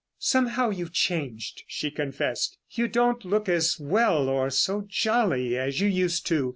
"Somehow, you've changed," she confessed. "You don't look as well or so jolly as you used to.